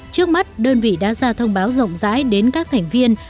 trước mắt đơn vị đã ra thông báo rộng rãi đến các thành viên